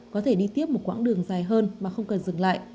có thể đi tiếp một quãng đường dài hơn mà không cần dừng lại